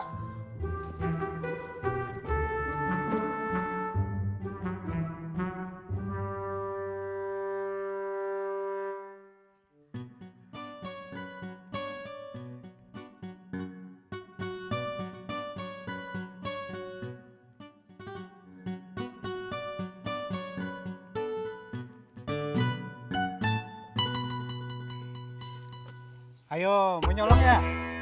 aduh agak ada